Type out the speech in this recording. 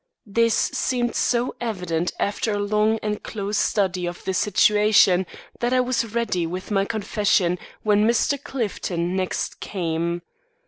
This seemed so evident after a long and close study of the situation that I was ready with my confession when Mr. Clifton next came.